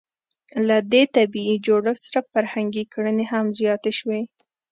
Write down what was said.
له دې طبیعي جوړښت سره فرهنګي کړنې هم زیاتې شوې.